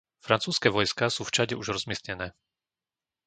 Francúzske vojská sú v Čade už rozmiestnené.